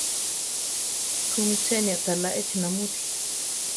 ¿Kúmi cheni aʼtalá échi namúti?